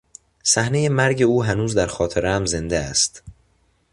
صحنهی مرگ او هنوز در خاطرهام زنده است.